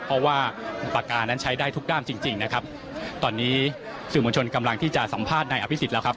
เพราะว่าปากกานั้นใช้ได้ทุกด้ามจริงจริงนะครับตอนนี้สื่อมวลชนกำลังที่จะสัมภาษณ์นายอภิษฎแล้วครับ